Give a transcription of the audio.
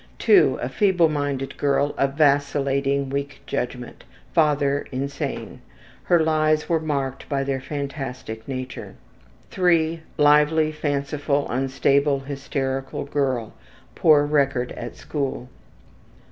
II. A feebleminded girl of vacillating, weak judgment. Father insane. Her lies were marked by their fantastic nature. III. Lively, fanciful, unstable, hysterical girl. Poor record at school.